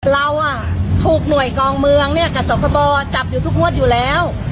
เราถูกหน่วยกองเมืองเนี่ยกับสคบจับอยู่ทุกงวดอยู่แล้ว